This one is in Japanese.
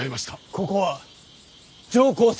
ここは上皇様